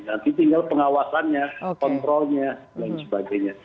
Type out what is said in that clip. nanti tinggal pengawasannya kontrolnya dan lain sebagainya